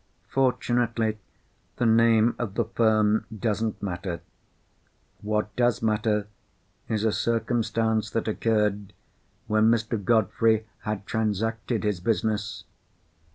Fortunately, the name of the firm doesn't matter. What does matter is a circumstance that occurred when Mr. Godfrey had transacted his business.